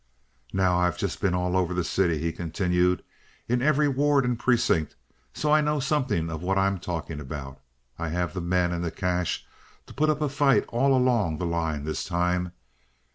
"Now, I've just been all over the city," he continued, "in every ward and precinct, so I know something of what I am talking about. I have the men and the cash to put up a fight all along the line this time.